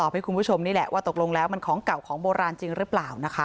เพราะว่าเป็นของท้องถิ่นของอะไร